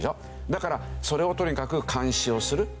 だからそれをとにかく監視をするという事ですね。